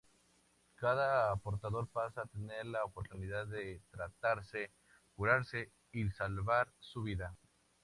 Cada portador pasa a tener la oportunidad de tratarse, curarse y salvar su vida.